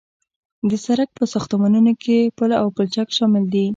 د سرک په ساختمانونو کې پل او پلچک شامل دي